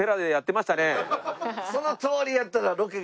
そのとおりやったらロケがうまくいく。